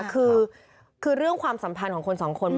คือเรื่องความสัมพันธ์ของคนสองคน